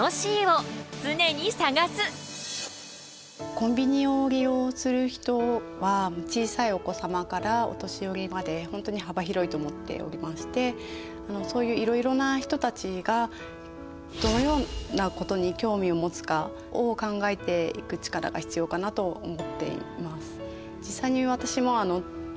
コンビニを利用する人は小さいお子様からお年寄りまで本当にはば広いと思っておりましてそういういろいろな人たちがどのようなことに興味を持つかを考えていくチカラが必要かなと思っています。